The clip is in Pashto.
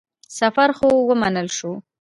سفر خو ومنل شو.